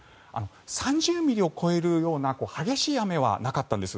３０ミリを超えるような激しい雨はなかったんです。